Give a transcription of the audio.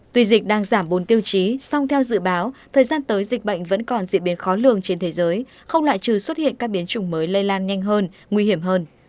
tuy dịch đang giảm bốn tiêu chí song theo dự báo thời gian tới dịch bệnh vẫn còn diễn biến khó lường trên thế giới không lại trừ xuất hiện các biến chủng mới lây lan nhanh hơn nguy hiểm hơn